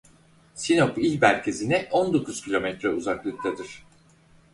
Sinop il merkezine on dokuz kilometre uzaklıktadır.